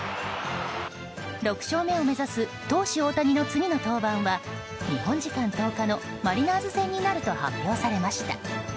６勝目を目指す投手・大谷の次の登板は日本時間１０日のマリナーズ戦になると発表されました。